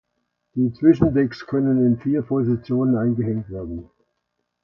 Die Zwischendecks können in vier Positionen eingehängt werden.